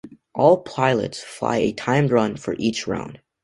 All pilots fly a timed run for each round.